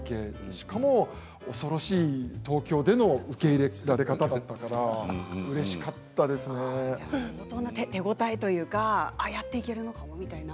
しかも、恐ろしい東京での受け入れられ方だったから手応えというかやっていけるかもと。